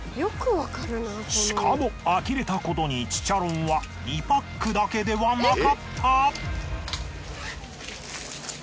しかもあきれたことにチチャロンは２パックだけではなかった！